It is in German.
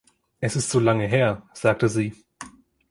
„Es ist so lange her,“ sagte sie.